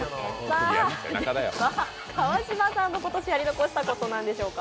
川島さんの今年やり残したこと、何でしょうか。